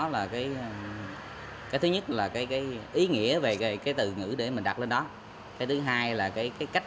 là cái cái thứ nhất là cái cái ý nghĩa về cái từ ngữ để mình đặt lên đó cái thứ hai là cái cái cách